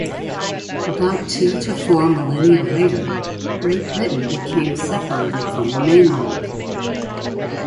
About two to four millennia later, Great Britain became separated from the mainland.